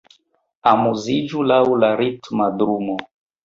Amuziĝu laŭ la ritma drumo